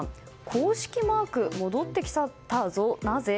公式マーク戻ってきたぞ、なぜ？